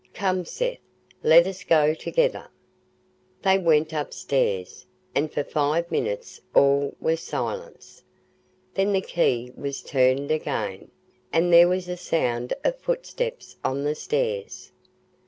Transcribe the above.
Come, Seth, let us go together." They went upstairs, and for five minutes all was silence. Then the key was turned again, and there was a sound of footsteps on the stairs.